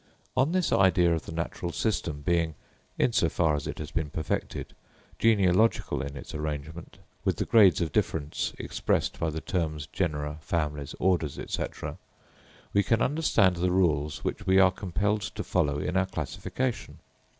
On this idea of the natural system being, in so far as it has been perfected, genealogical in its arrangement, with the grades of difference expressed by the terms genera, families, orders, &c., we can understand the rules which we are compelled to follow in our classification.